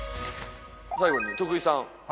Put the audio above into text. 最後に徳井さん。